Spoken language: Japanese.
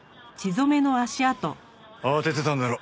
慌ててたんだろ。